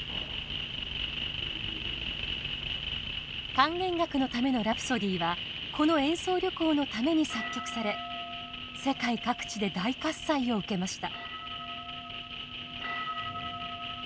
「管弦楽のためのラプソディー」はこの演奏旅行のために作曲され世界各地で大喝采を受けました。